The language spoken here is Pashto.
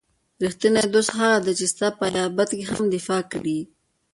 رښتینی دوست هغه دی چې ستا په غیابت کې هم دفاع کړي.